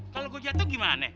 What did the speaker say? kalau gue jatuh gimana